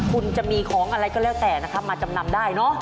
คุณจะมีของอะไรก็แล้วแต่นะครับมาจำนำได้เนอะ